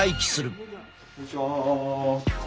こんにちは。